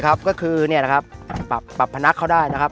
ก็คือปรับพนักเข้าได้นะครับ